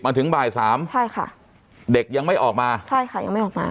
ถึงบ่ายสามใช่ค่ะเด็กยังไม่ออกมาใช่ค่ะยังไม่ออกมา